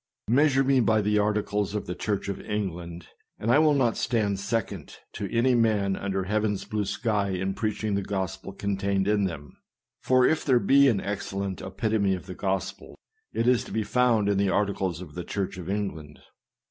Measure me by the articles of the Church of England, and I will not stand second to any man under heaven's blue sky in preaching the gospel contained in them ; for if there be an excellent epitome of the gospel, it is to be found in the articles of the Church of England.